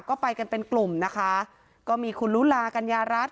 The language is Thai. ก็ไปกันเป็นกลุ่มนะคะก็มีคุณลุลากัญญารัฐ